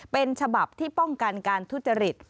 เป็นฉบับที่ป้องกันการทุจริต